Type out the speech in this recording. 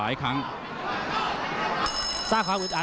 ไม่เป็นท่าเลย